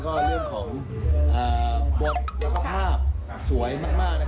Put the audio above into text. พี่มันต้องรับพี่แมนในวันนี้